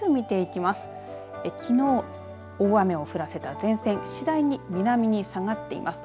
きのう大雨を降らせた前線次第に南に下がっています。